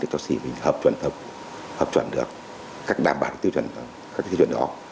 cho xỉ mình hợp chuẩn được các đảm bảo tiêu chuẩn đó